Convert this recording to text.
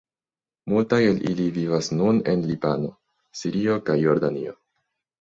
Multaj el ili vivas nun en Libano, Sirio kaj Jordanio.